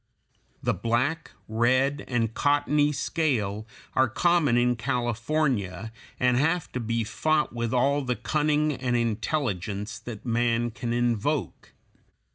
The black, red, and cottony scale are common in California, and have to be fought with all the cunning and intelligence that man can invoke.